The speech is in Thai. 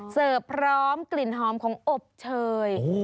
เสริมพร้อมกลิ่นหอมของอบเฉย